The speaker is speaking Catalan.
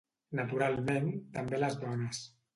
Naturalment, també les dones.